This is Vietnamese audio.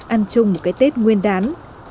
ăn chung một cái tết nguyên đán